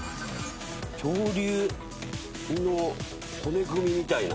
恐竜の骨組みみたいな。